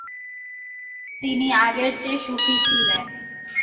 তিনি আগের চেয়ে সুখী ছিলেন।